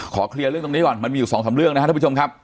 เคลียร์เรื่องตรงนี้ก่อนมันมีอยู่สองสามเรื่องนะครับท่านผู้ชมครับ